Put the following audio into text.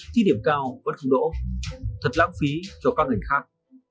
thi điểm cao vẫn không đỗ thật lãng phí cho các ngành khác